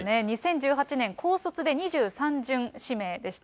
２０１８年、高卒で２３巡指名でした。